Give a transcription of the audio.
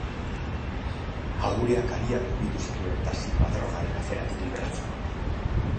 Agureak hariak mugitu zituen Dasilva drogaren aferatik libratzeko.